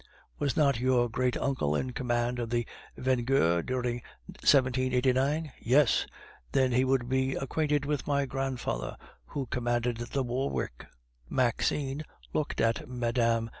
"Was not your great uncle in command of the Vengeur before 1789?" "Yes." "Then he would be acquainted with my grandfather, who commanded the Warwick." Maxime looked at Mme.